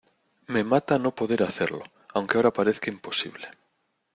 me mata no poder hacerlo. aunque ahora parezca imposible